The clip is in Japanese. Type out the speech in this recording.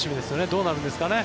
どうなるんですかね。